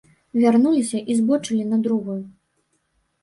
Вярнуліся і збочылі на другую.